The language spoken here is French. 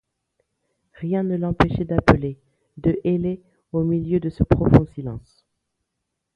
Rien ne l’empêchait d’appeler, de héler au milieu de ce profond silence.